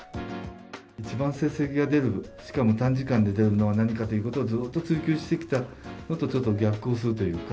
一番成績が出る、しかも短時間で出るのは何かということをずっと追求してきたのと、ちょっと逆行するというか。